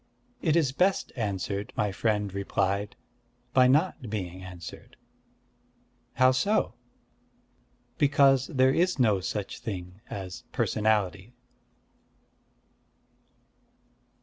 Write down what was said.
"It is best answered," my friend replied, "by not being answered." "How so?" "Because there is no such thing as personality."